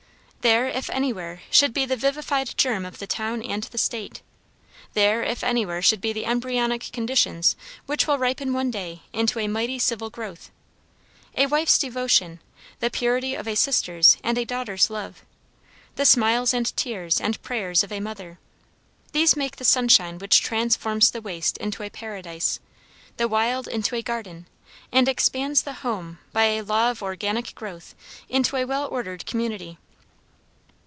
There, if anywhere, should be the vivified germ of the town and the state. There, if anywhere, should be the embryonic conditions which will ripen one day into a mighty civil growth. A wife's devotion, the purity of a sister's and a daughter's love, the smiles and tears and prayers of a mother these make the sunshine which transforms the waste into a paradise, the wild into a garden, and expands the home by a law of organic growth into a well ordered community.